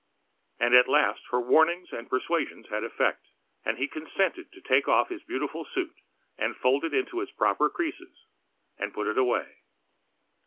And at last her warnings and persuasions had effect and he consented to take off his beautiful suit and fold it into its proper creases and put it away.